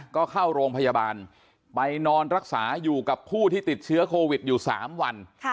ก็เข้าโรงพยาบาลไปนอนรักษาอยู่กับผู้ที่ติดเชื้อโควิดอยู่๓วัน